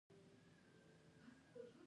د زړه ناروغۍ د ژوندي پاتې کېدو خطر زیاتوې.